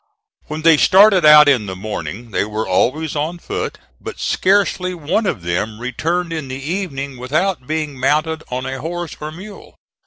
When they started out in the morning, they were always on foot; but scarcely one of them returned in the evening without being mounted on a horse or mule.